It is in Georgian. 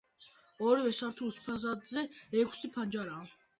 ორივე სართულის ფასადზე ექვსი ფანჯარაა.